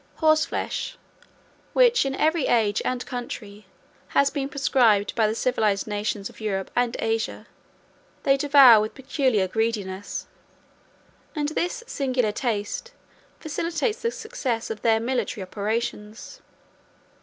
Horseflesh, which in every age and country has been proscribed by the civilized nations of Europe and Asia, they devour with peculiar greediness; and this singular taste facilitates the success of their military operations.